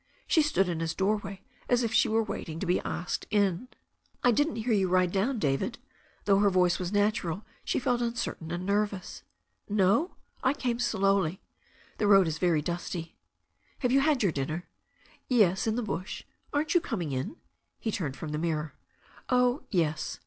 She stood in his doorway as if she were waiting to be asked in. "I didn't hear you ride down, David." Though her voice was natural she felt uncertain and nervous. 'No? I came slowly. The road is very dusty." 'Have you had your dinner?" "] THE STORY OF A NEW ZEALAND RIVER 371 "Yes, in the bush. Aren't you coming in?" He turned from the mirror. "Oh, yes."